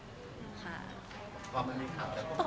ให้เขามาสนใจเราก็ได้